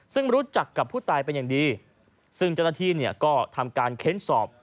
ซึ่งรู้จักกับผู้ตายเป็นอย่างดีซึ่งเจ้าหน้าที่เนี่ยก็ทำการเค้นสอบ